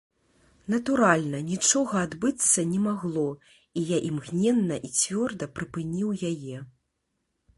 Натуральна, нічога адбыцца не магло, і я імгненна і цвёрда прыпыніў яе.